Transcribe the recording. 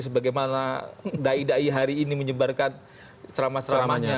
sebagaimana dai dai hari ini menyebarkan ceramah ceramahnya